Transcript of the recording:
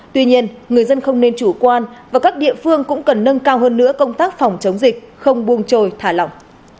tuy nhiên người dân không nên chủ quan và các địa phương cũng cần nâng cao hơn nữa công tác phòng chống dịch không buông trồi thả lỏng